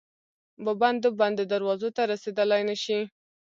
وبندو، بندو دروازو ته رسیدلای نه شي